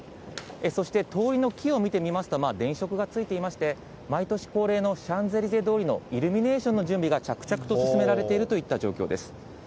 そして通りの木を見てみますと、電飾がついていまして、毎年恒例のシャンゼリゼ通りのイルミネーションの準備が着々と進められているといった状況です。